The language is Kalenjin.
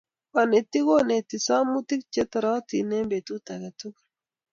Konetik ko inetii somonutik che terotin eng betut age tugul.